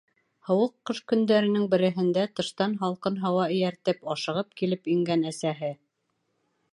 Һыуыҡ ҡыш көндәренең береһендә тыштан һалҡын һауа эйәртеп, ашығып килеп ингән әсәһе: